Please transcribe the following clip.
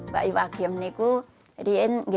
bagi bagian ini